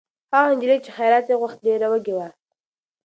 هغه نجلۍ چې خیرات یې غوښت، ډېره وږې وه.